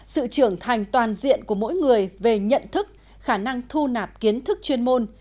sự trưởng thành toàn diện của mỗi người về nhận thức khả năng thu nạp kiến thức chuyên môn